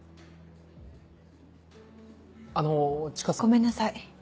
ごめんなさい。